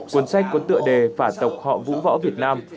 cuốn sách có tựa đề phả tộc họ vũ võ việt nam